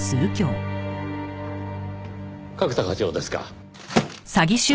角田課長ですか？